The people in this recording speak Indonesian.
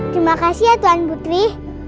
terima kasih ya tuan putri